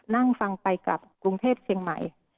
นั่งฟังไปกลับกรุงเทพเชียงใหม่